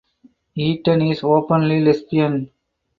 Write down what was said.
Eaton is openly lesbian.